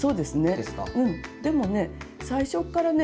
でもね最初からね